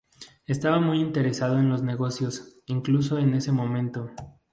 Estaba muy interesado en los negocios, incluso en ese momento.